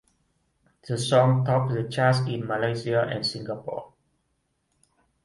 The song topped the charts in Malaysia and Singapore.